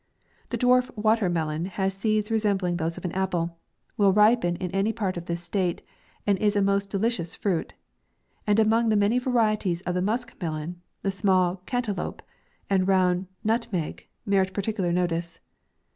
The dwarf water melon has seeds resem bling those of an apple, will ripen in any part of this state, and is a most delicious fruit ; and among the many varieties of the musk* melon, the small Canteloup, and round Nut* meg, merit particular notice.